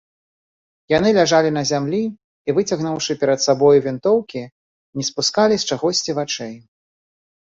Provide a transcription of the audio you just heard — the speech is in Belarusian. Яны ляжалі на зямлі і, выцягнуўшы перад сабою вінтоўкі, не спускалі з чагосьці вачэй.